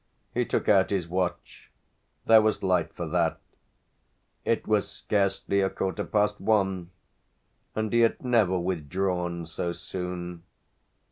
He took out his watch there was light for that: it was scarcely a quarter past one, and he had never withdrawn so soon.